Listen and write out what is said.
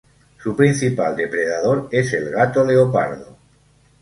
Su principal depredador es el gato leopardo.